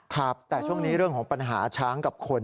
ครับแต่ช่วงนี้เรื่องของปัญหาช้างกับคน